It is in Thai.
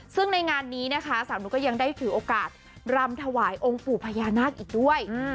ซึ่งในงานนี้นะคะสาวนุกก็ยังได้ถือโอกาสรำถวายองค์ปู่พญานาคอีกด้วย